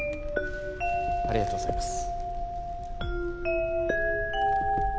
ありがとうございます。